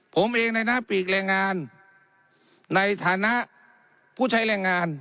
ผมเองในหน้าปีกแรงงานในฐานะผู้ใช้แรงงาน